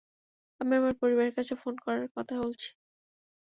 আমি আমার পরিবারের কাছে ফোন করার কথা বলছি।